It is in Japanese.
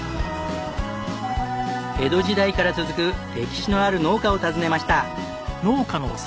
江戸時代から続く歴史のある農家を訪ねました。